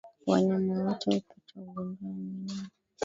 Wanyama wote hupata ugonjwa wa minyoo